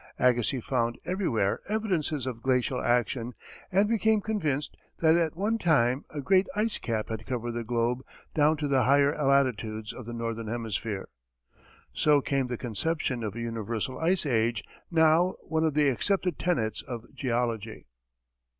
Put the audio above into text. Agassiz found everywhere evidences of glacial action, and became convinced that at one time a great ice cap had covered the globe down to the higher latitudes of the northern hemisphere. So came the conception of a universal Ice Age, now one of the accepted tenets of geology.